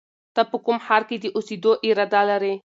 ته په کوم ښار کې د اوسېدو اراده لرې؟